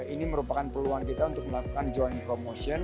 ini merupakan peluang kita untuk melakukan joint promotion